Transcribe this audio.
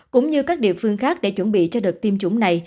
cũng như các địa phương khác để chuẩn bị cho đợt tiêm chủng này